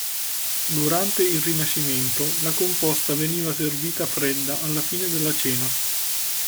Durante il Rinascimento, la composta veniva servita fredda alla fine della cena.